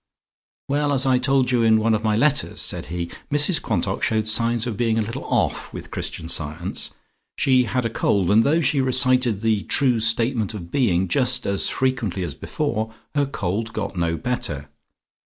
"Well, as I told you in one of my letters," said he, "Mrs Quantock showed signs of being a little off with Christian Science. She had a cold, and though she recited the True Statement of Being just as frequently as before, her cold got no better.